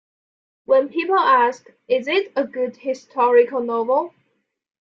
When people ask, 'Is it a good historical novel?